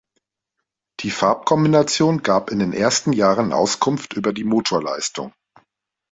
Die Farbkombination gab in den ersten Jahren Auskunft über die Motorleistung.